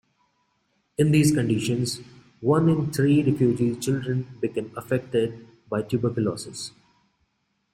In these conditions, one in three refugee children became affected by tuberculosis.